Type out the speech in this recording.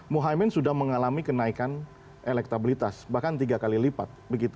muhaymin sudah mengalami kenaikan elektabilitas bahkan tiga kali lipat